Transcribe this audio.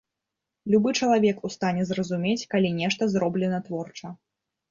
Любы чалавек у стане зразумець, калі нешта зроблена творча.